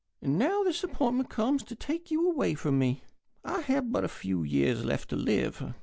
And now this appointment comes to take you away from me. I have but a few years left to live.